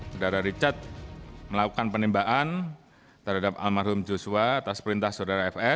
saudara richard melakukan penimbaan terhadap almarhum joshua atas perintah sd